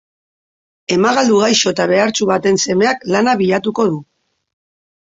Emagaldu gaixo eta behartsu baten semeak lana bilatuko du.